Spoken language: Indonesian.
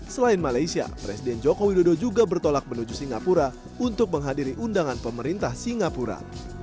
selain malaysia presiden joko widodo juga bertolak menuju singapura untuk menghadiri undangan pemerintah singapura